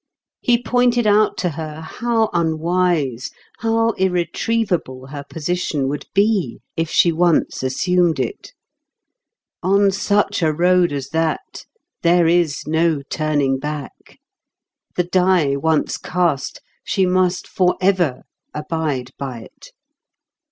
He pointed out to her how unwise, how irretrievable her position would be, if she once assumed it. On such a road as that there is no turning back. The die once cast, she must forever abide by it.